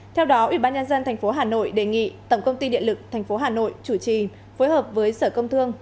theo đó ubnd tp hà nội đề nghị tổng công ty điện lực tp hà nội chủ trì phối hợp với sở công thương